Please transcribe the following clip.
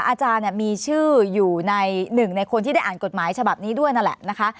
อาจารย์มีชื่ออยู่ในหนึ่งในคนที่ได้อ่านกฎหมายฉบับนี้ด้วยนั่นแหละนะคะ